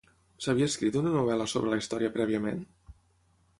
S'havia escrit una novel·la sobre la història prèviament?